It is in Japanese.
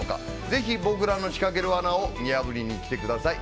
ぜひ、僕らの仕掛ける罠を見破りに来てください。